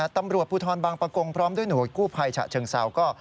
ตำรวจภูทรบางประกงพร้อมด้วยหน่วยกู้ภัยฉะเชิงเซาก็